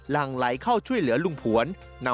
หลังไหลเข้าช่วยเหลือลุงผวน